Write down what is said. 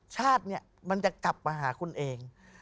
ชาติเนี่ยมันจะกลับมาหาคุณเอง